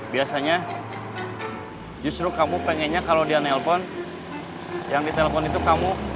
biasanya justru kamu pengennya kalau dia nelpon yang ditelepon itu kamu